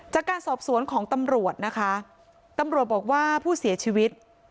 จากการสอบสวนของตำรวจนะคะตำรวจบอกว่าผู้เสียชีวิต